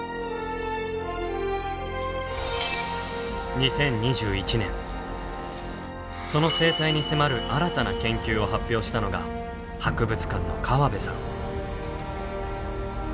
２０２１年その生態に迫る新たな研究を発表したのが博物館の河部さん。